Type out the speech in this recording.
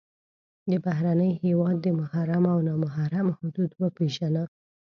د بهرني هېواد د محرم او نا محرم حدود وپېژنه.